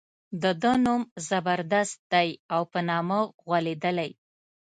د ده نوم زبردست دی او په نامه غولېدلی.